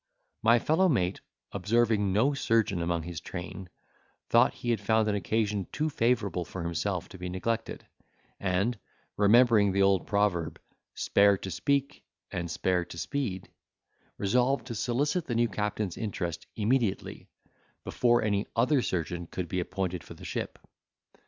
My fellow mate, observing no surgeon among his train, thought he had found an occasion too favourable for himself to be neglected; and, remembering the old proverb, "Spare to speak, and spare to speed," resolved to solicit the new captain's interest immediately, before any other surgeon could be appointed for the ship.